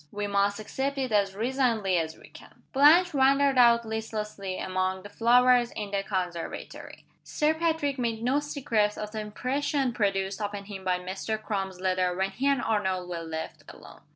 We must accept it as resignedly as we can." Blanche wandered out listlessly among the flowers in the conservatory. Sir Patrick made no secret of the impression produced upon him by Mr. Crum's letter, when he and Arnold were left alone.